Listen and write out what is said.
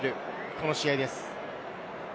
この試合です。